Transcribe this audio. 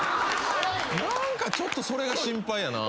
何かちょっとそれが心配やな